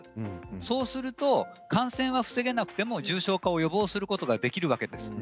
そうすると感染は防げなくても重症化を予防することができるわけです。